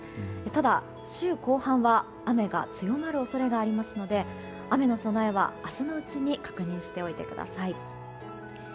ただ、週後半は雨が強まる恐れがありますので雨の備えは明日のうちに確認しておいてください。